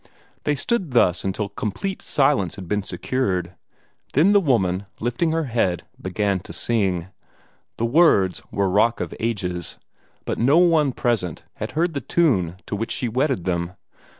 They stood thus until complete silence had been secured. Then the woman, lifting her head, began to sing. The words were "Rock of Ages," but no one present had heard the tune to which she wedded them.